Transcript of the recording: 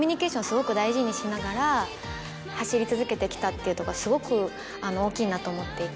すごく大事にしながら走り続けてきたっていうとこはすごく大きいなと思っていて。